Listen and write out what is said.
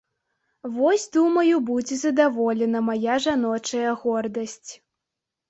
Вось, думаю, будзе задаволена мая жаночая гордасць.